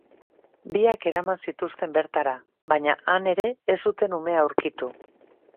Biak eraman zituzten bertara, baina han ere ez zuten umea aurkitu.